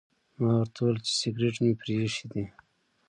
ما ورته وویل چې سګرټ مې پرې ایښي دي.